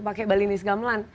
pake balinese gamelan